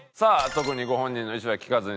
特にご本人の意思は聞かずにですね